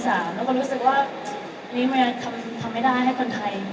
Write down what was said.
แล้วก็รู้สึกว่านี้มันยังทำไม่ได้ให้คนไทย